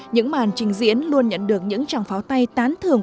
những màn trình diễn luôn nhận được những tràng pháo tay tán thường